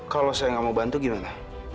kalau saya nggak mau bantu gimana